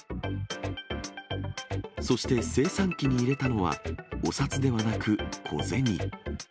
そして、精算機に入れたのは、お札ではなく小銭。